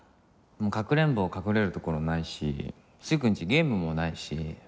もうかくれんぼは隠れる所ないし粋くんちゲームもないし。